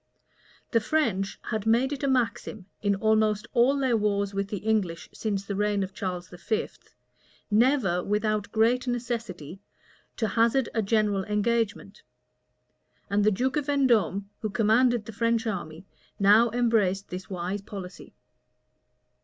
The French had made it a maxim, in almost all their wars with the English since the reign of Charles V., never, without great necessity, to hazard a general engagement; and the duke of Vendôme, who commanded the French army, now embraced this wise policy.